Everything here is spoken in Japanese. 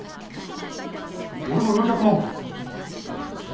俺の４００万は！？